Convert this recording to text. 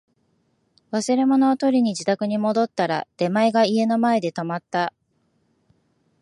忘れ物を取りに自宅に戻ったら、出前が家の前で止まった